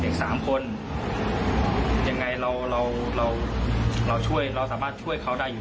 เด็กสามคนยังไงเราเราเราช่วยเราสามารถช่วยเขาได้อยู่